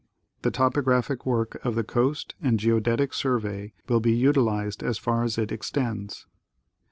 3. The topographic work of the Coast and Geodetic Survey will be utilized as far as it extends.